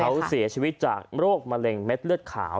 เขาเสียชีวิตจากโรคมะเร็งเม็ดเลือดขาว